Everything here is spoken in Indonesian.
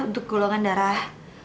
untuk golongan darah